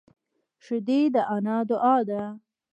شیدې د انا دعا ده